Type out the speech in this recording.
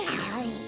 はい。